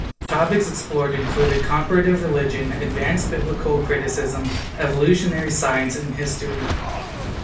Topics explored included comparative religion, advanced biblical criticism, evolutionary science, and history.